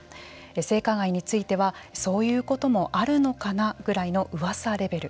性加害についてはそういうこともあるのかなぐらいのうわさレベル。